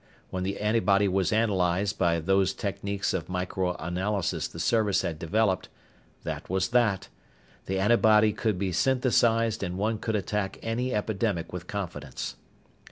When the antibody was analyzed by those techniques of microanalysis the Service had developed, that was that. The antibody could be synthesized and one could attack any epidemic with confidence.